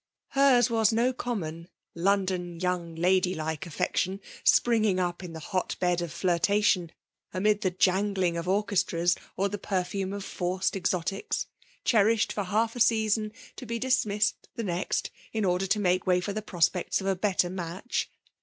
Hers was no common, London young lady like affi^tion, springing up in the hotbed of flirtation, amid the jangling of or chestras or the perfume of forced exotics ; cfaeriahed for half a season, to be dismissed the next, in order to make way for the prospects of a better match.